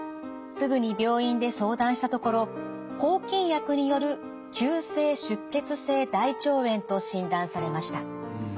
すぐに病院で相談したところ抗菌薬による急性出血性大腸炎と診断されました。